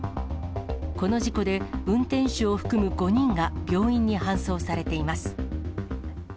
この事故で、運転手を含む５人が病院に搬送されています。